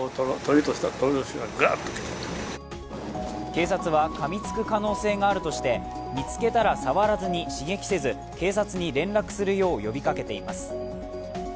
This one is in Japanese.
警察はかみつく可能性があるとして見つけたら触らずに刺激せず、警察に連絡するよう呼びかけています。